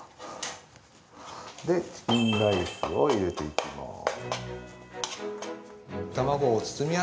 で、チキンライスを入れていきます。